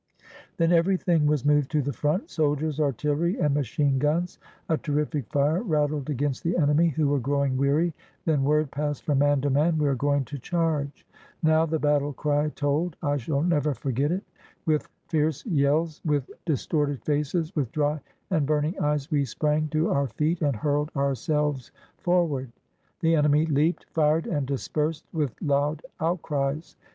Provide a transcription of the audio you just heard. Then everything was moved to the front, — soldiers, artillery, and machine guns. A terrific fire rattled against the enemy, who were growing weary. Then word passed from man to man: "We are going to charge." Now the battle cry told. I shall never forget it. With fierce yells, with distorted faces, v/ith dry and burning eyes, we sprang to our feet and hurled ourselves forward. 481 SOUTH AFRICA The enemy leaped, fired, and dispersed with loud out cries.